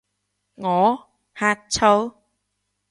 我？呷醋？